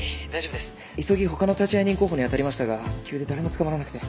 急ぎ他の立会人候補にあたりましたが急で誰もつかまらなくて。